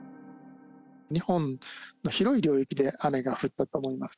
日本の広い領域で雨が降ったためです。